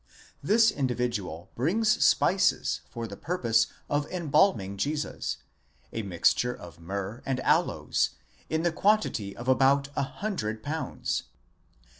* This individual brings spices for the purpose of embalming Jesus; a mixture of myrrh and aloes, in the quantity of about a hundred pounds.